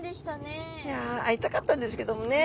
いや会いたかったんですけどもね。